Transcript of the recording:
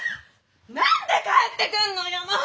何で帰ってくんのよもう！